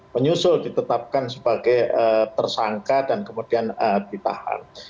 menyusul ditetapkan sebagai tersangka dan kemudian ditahan